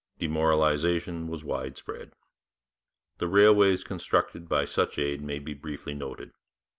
Demoralization was widespread. The railways constructed by such aid may be briefly noted.